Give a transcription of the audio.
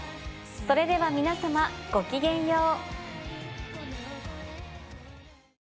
それでは皆さまごきげんよう。